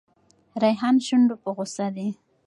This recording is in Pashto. ریحان شونډو په غوسه دی.